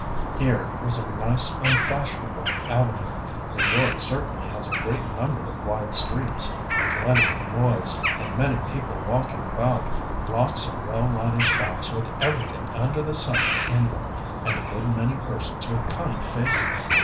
Here was a nice unfashionable avenue New York certainly has a great number of wide streets plenty of noise, and many people walking about, lots of well lighted shops with everything under the sun in them, and a good many persons with kind faces.